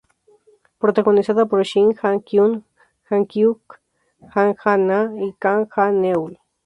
Protagonizada por Shin Ha-kyun, Jang Hyuk, Kang Han-na y Kang Ha-neul.